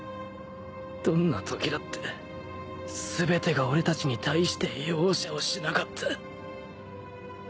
どんなときだって全てが俺たちに対して容赦をしなかった